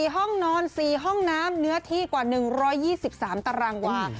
ห้องนอน๔ห้องน้ำเนื้อที่กว่า๑๒๓ตารางวา